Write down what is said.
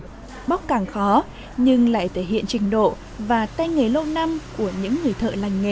giấy càng mỏng bóc càng khó nhưng lại thể hiện trình độ và tay nghề lâu năm của những người thợ lành nghề